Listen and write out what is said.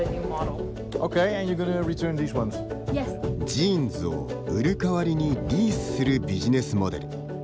ジーンズを、売る代わりにリースするビジネスモデル。